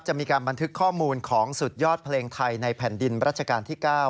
จะมีการบันทึกข้อมูลของสุดยอดเพลงไทยในแผ่นดินรัชกาลที่๙